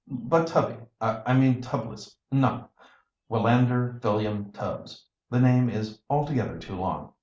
"But Tubby I mean Tubblets no, Willander Philliam Tubbs the name is altogether too long.